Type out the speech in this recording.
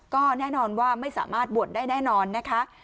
ก็แน่นอนว่าไม่สามารถบวชได้แน่นอนนะคะ